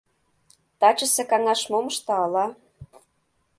Тачысе каҥаш мом ышта, ала?..